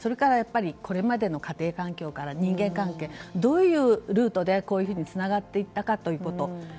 これまでの家庭環境から人間関係どういうルートでこういうふうにつながっていったかということ。